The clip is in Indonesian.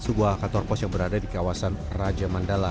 sebuah kantor pos yang berada di kawasan raja mandala